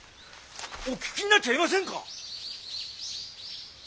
お聞きになっちゃいませんか？